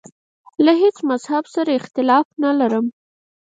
له هیڅ مذهب سره اختلاف نه لرم.